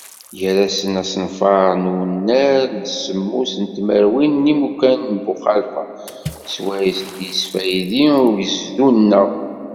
Gar-asen: Asenfar n unnar n semmus tmerwin n yimukan n Buxalfa, swayes i d-yesfaydi ugezdu-nneɣ.